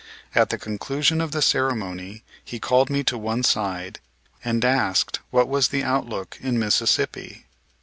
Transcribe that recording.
At the conclusion of the ceremony he called me to one side and asked what was the outlook in Mississippi.